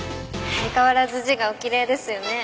相変わらず字がおきれいですよね。